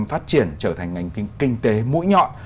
phát triển trở thành ngành kinh tế mũi nhọn